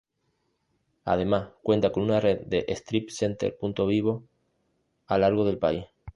Además, cuenta con una red de Strip Center Punto Vivo a largo del país.